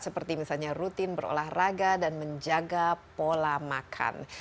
seperti misalnya rutin berolahraga dan menjaga pola makan